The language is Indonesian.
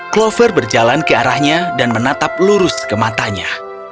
clover berjalan ke arahnya dan menatap lurus ke matanya